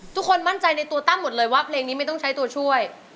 ทุกคนมั่นใจในตัวตั้มหมดเลยว่าเพลงนี้ไม่ต้องใช้ตัวช่วย